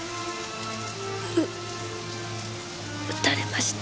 う撃たれました。